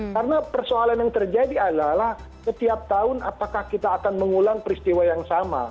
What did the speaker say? karena persoalan yang terjadi adalah setiap tahun apakah kita akan mengulang peristiwa yang sama